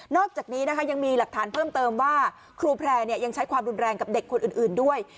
อกจากนี้นะคะยังมีหลักฐานเพิ่มเติมว่าครูแพร่ยังใช้ความรุนแรงกับเด็กคนอื่นด้วย